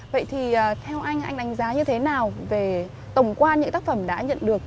vậy thì theo anh anh đánh giá như thế nào về tổng quan những tác phẩm đã nhận được